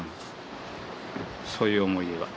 そういう思い出が。